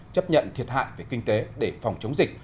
chấp nhận thiệt hại về kinh tế để phòng chống dịch